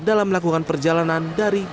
dalam melakukan perjalanan dan perjalanan